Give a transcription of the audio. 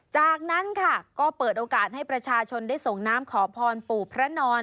จากนั้นค่ะก็เปิดโอกาสให้ประชาชนได้ส่งน้ำขอพรปู่พระนอน